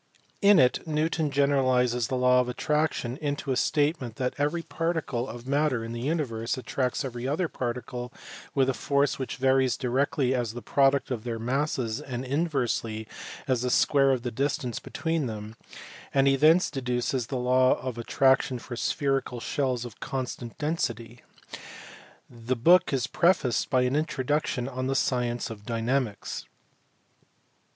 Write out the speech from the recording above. In it Newton generalizes the law of attraction into a statement that every particle of 336 THE LIFE AND WORKS OF NEWTON. matter in the universe attracts every other particle with a force which varies directly as the product of their masses and inversely as the square of the distance between them ; and he thence deduces the law of attraction for spherical shells of constant density. The book is prefaced by an introduction on the science of dynamics.